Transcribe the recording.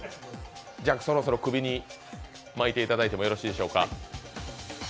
じゃ、そろそろ首に巻いていただいてもいいでしょうか。